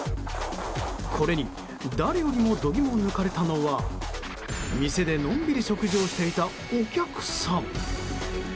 これに誰よりも度肝を抜かれたのは店でのんびり食事していたお客さん。